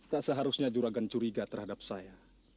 tak seharusnya juragan curiga terhadap saya